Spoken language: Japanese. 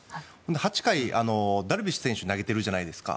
８回、ダルビッシュ選手が投げてるじゃないですか。